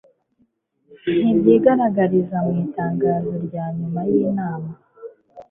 ntibyigaragariza mu itangazo rya nyuma ry'inama